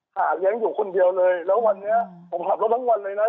หาเลี้ยงอยู่คนเดียวเลยแล้ววันนี้ผมขับรถทั้งวันเลยนะ